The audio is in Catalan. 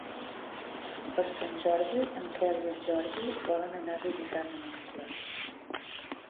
Per Sant Jordi en Quel i en Jordi volen anar a visitar mon oncle.